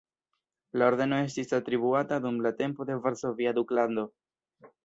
La ordeno estis atribuata dum la tempo de Varsovia Duklando.